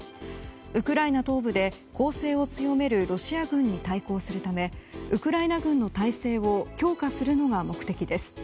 ウクライナ東部で攻勢を強めるロシア軍に対抗するためウクライナ軍の態勢を強化するのが目的です。